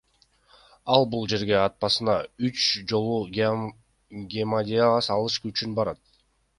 Ал бул жерге аптасына үч жолу гемодиализ алыш үчүн барат.